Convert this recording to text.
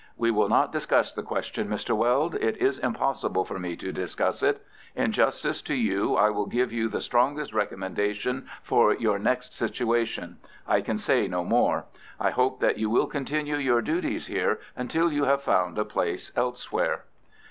"We will not discuss the question, Mr. Weld. It is impossible for me to discuss it. In justice to you, I will give you the strongest recommendation for your next situation. I can say no more. I hope that you will continue your duties here until you have found a place elsewhere."